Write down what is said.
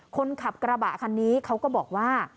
คนขับกระบะคันนี้เขาก็บอกว่า